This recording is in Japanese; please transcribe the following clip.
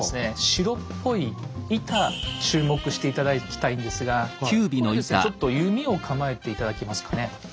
白っぽい板注目して頂きたいんですがこれですねちょっと弓を構えて頂けますかね。